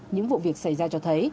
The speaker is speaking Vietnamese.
những vụ việc xảy ra cho thấy